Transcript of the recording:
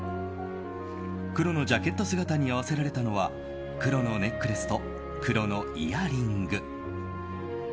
黒のジャケット姿に合わせられたのは黒のネックレスと黒のイヤリング。